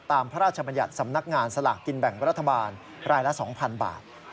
พระราชบัญญัติสำนักงานสลากกินแบ่งรัฐบาลรายละ๒๐๐๐บาท